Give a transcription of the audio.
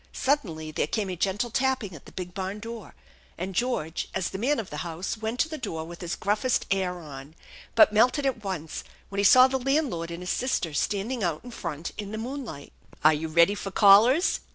Suddenly there came a gentle tapping at the big barn door, and George as the man of the house went to the door with his gruffest air on, but melted at once whea he saw the landlord and his sister standing out in front IB the moonlight. "Are you ready for callers